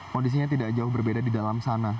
kondisinya tidak jauh berbeda di dalam sana